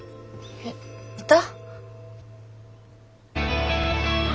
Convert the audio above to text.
えっいた？